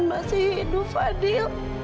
tuhan masih hidup fadil